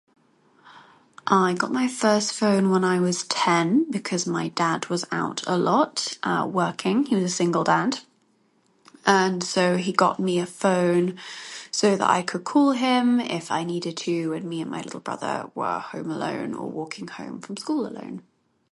I got my first phone when I was 10 because my dad was out a lot working, he was a single dad. And so, he got me a phone so that I could call him if I needed to when me and my little brother were home alone or walking home from school alone.